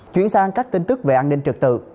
chuyển sang các tin tức về an ninh trực tự